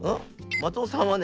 松尾さんはね